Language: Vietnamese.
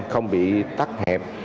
không bị tắt hẹp